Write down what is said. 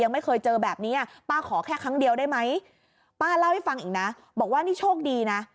ไม่เคยเจอแบบนี้ป้าขอแค่ครั้งเดียวได้ไหมป้าเล่าให้ฟังอีกนะบอกว่านี่โชคดีนะ